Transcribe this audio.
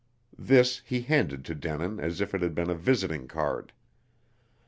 This he handed to Denin as if it had been a visiting card.